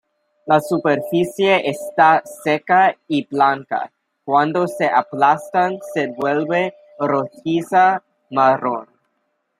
La superficie está seca y blanca, cuando se aplastan, se vuelve rojiza-marrón.